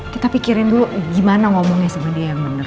kita pikirin dulu gimana ngomongnya sama dia yang bener